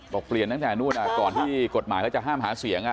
เปลี่ยนตั้งแต่นู่นก่อนที่กฎหมายเขาจะห้ามหาเสียง